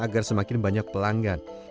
agar semakin banyak pelanggan